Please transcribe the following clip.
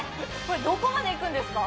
どこまでいくんですか？